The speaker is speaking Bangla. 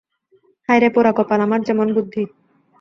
হায় রে পোড়া কপাল, আমার যেমন বুদ্ধি!